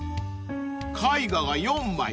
［絵画が４枚。